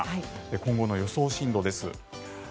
今後の予想進路です。